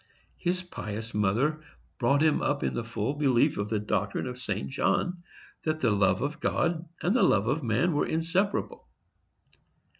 His pious mother brought him up in the full belief of the doctrine of St. John, that the love of God and the love of man are inseparable.